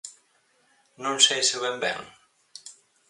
¿Non sei se o ven ben?